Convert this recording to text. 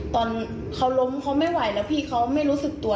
ตอนเขาล้มเขาไม่ไหวแล้วพี่เขาไม่รู้สึกตัว